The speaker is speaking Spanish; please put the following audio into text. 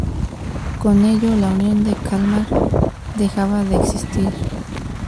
Con ello, la Unión de Kalmar dejaba de existir.